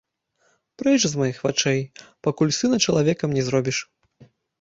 Прэч з маіх вачэй, пакуль сына чалавекам не зробіш.